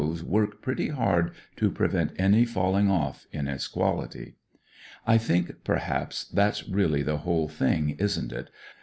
*s work pretty hard to prevent any falling off in its quality. I think, perhaps, that's really the whole thing, isn't it